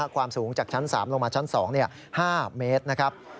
ความสูงจากชั้น๓ลงมาชั้น๒๕เมตรนะครับ